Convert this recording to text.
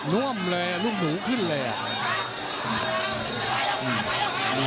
นุ่มเลยลุ่มหูขึ้นเลย